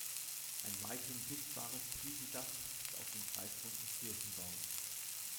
Ein weithin sichtbares Zwiebeldach sitzt auf dem kreisrunden Kirchenbau.